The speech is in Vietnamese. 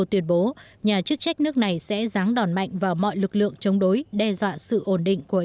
tuyên bố nhà chức trách nước này sẽ ráng đòn mạnh vào mọi lực lượng chống đối đe dọa sự ổn định của